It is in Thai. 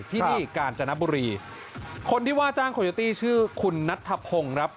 ที่นี่กาญจนบุรีคนที่ว่าจ้างโคโยตี้ชื่อคุณนัทธพงศ์ครับ